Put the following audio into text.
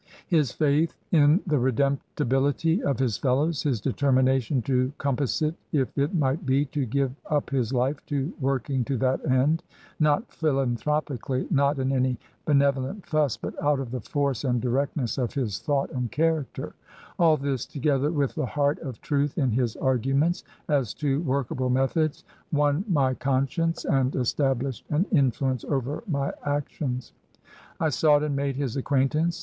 His faith in the redemptability of his fellows, his determination to com pass it if it might be, to give up his life to working to that end — not philanthropically, not in any benevolent fuss, but out of the force and directness of his thought and character — ^all this, together with the heart of truth in his arguments as to workable methods, won my con science and established an influence over my actions. I sought and made his acquaintance.